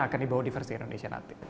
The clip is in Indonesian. akan dibawa di versi indonesia nanti